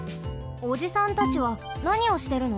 おじさんたちはなにをしてるの？